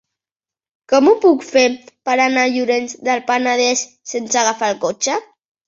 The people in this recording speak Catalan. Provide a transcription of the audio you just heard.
Com ho puc fer per anar a Llorenç del Penedès sense agafar el cotxe?